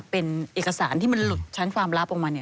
เป็นเอกสารที่มันหลุดชั้นความลับออกมา